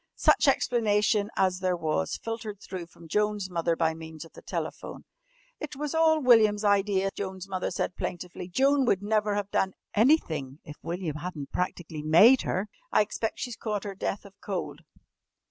Such explanation as there was filtered through from Joan's mother by means of the telephone. "It was all William's idea," Joan's mother said plaintively. "Joan would never have done anything if William hadn't practically made her. I expect she's caught her death of cold.